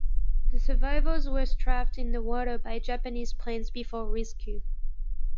The survivors were strafed in the water by Japanese planes before rescue.